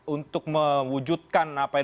apakah untuk mewujudkan apa yang dinyampaikan